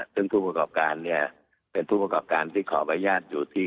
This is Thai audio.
ซึ่งผู้ประกอบการเนี่ยเป็นผู้ประกอบการที่ขออนุญาตอยู่ที่